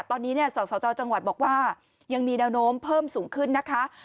ตอนนี้สสจจังหวัดบอกว่ายังมีแนวโน้มเพิ่มสูงขึ้นนะคะ